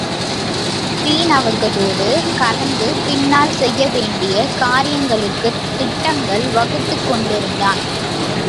Sean அவர்களோடு கலந்து பின்னால் செய்ய வேண்டிய காரியங்களுக்குத் திட்டங்கள் வகுத்துக் கொண்டிருந்தான்.